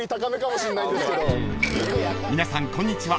［皆さんこんにちは